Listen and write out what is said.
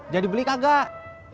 jadi beli kagak